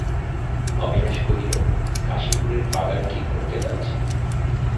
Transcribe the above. অবিনাশ কহিল, কাশীপুরের বাগান ঠিক করতে যাচ্ছি।